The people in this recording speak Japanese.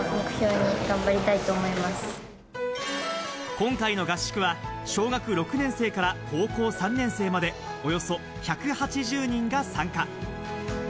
今回の合宿は小学６年生から高校３年生までおよそ１８０人が参加。